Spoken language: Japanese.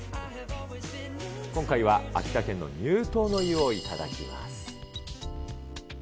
今回は、秋田県の乳頭の湯を頂きます。